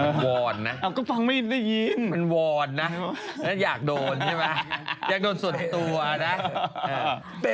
พี่อย่อนกลับไปว่าหกสิตปีแล้วของเล่นของพี่คืออะไรทุกระตา